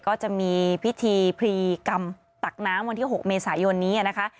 ก็จะมีพิธีพรีกรรมตักน้ำวันที่๖เมษายนนี้นะคะ